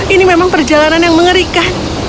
ini memang perjalanan yang mengerikan